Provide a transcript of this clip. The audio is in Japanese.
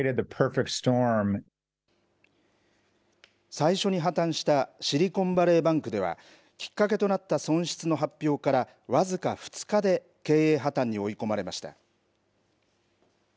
最初に破綻したシリコンバレーバンクでは、きっかけとなった損失の発表から僅か２日で、経営破綻に追い込まれました。